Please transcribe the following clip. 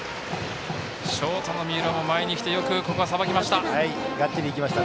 ショートの三浦も前に来てよくさばきました。